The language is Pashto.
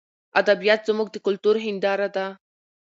ادبیات زموږ د کلتور هنداره ده.